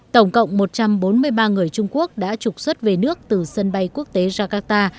tổng cộng một trăm bốn mươi ba người trung quốc đã trục xuất về nước từ sân bay quốc tế jakarta